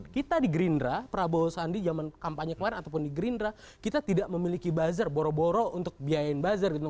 kita di gerindra prabowo sandi zaman kampanye kemarin ataupun di gerindra kita tidak memiliki buzzer boro boro untuk biayain buzzer gitu